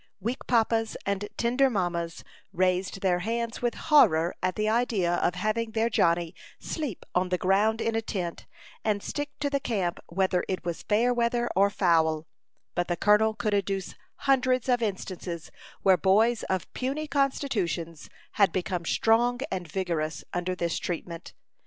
Weak papas and tender mammas raised their hands with horror at the idea of having their Johnny sleep on the ground in a tent, and stick to the camp whether it was fair weather or foul; but the colonel could adduce hundreds of instances where boys of puny constitutions had become strong and vigorous under this treatment.